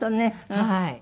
はい。